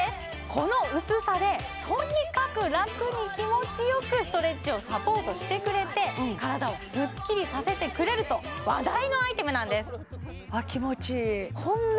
この薄さでとにかく楽に気持ちよくストレッチをサポートしてくれて体をスッキリさせてくれると話題のアイテムなんです！